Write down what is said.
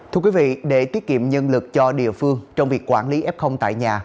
thưa quý vị để tiết kiệm nhân lực cho địa phương trong việc quản lý f tại nhà